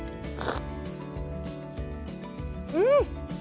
うん！